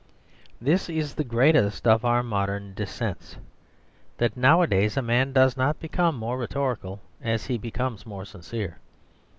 This is the greatest of our modern descents, that nowadays a man does not become more rhetorical as he becomes more sincere.